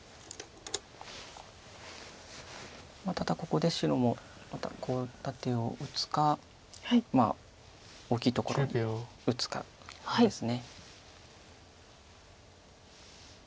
ただここで白もまたコウ立てを打つか大きいところに打つかです。